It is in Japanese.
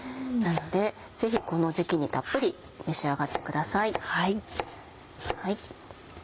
なのでぜひこの時期にたっぷり召し上がってください。